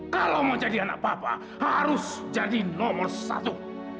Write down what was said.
kalau mau jadi anak papa harus jadi nomor satu